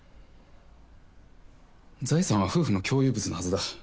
財産は夫婦の共有物のはずだ。